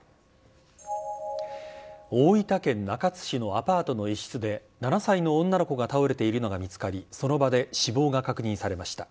大分県中津市のアパートの一室で７歳の女の子が倒れているのが見つかり、その場で死亡が確認されました。